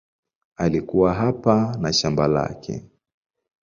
Alikuwa hapa na shamba lake.